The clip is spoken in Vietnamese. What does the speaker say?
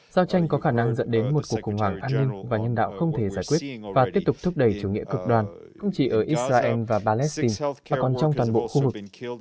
giao tranh có khả năng dẫn đến một cuộc khủng hoảng an ninh và nhân đạo không thể giải quyết và tiếp tục thúc đẩy chủ nghĩa cực đoan không chỉ ở israel và palestine mà còn trong toàn bộ khu vực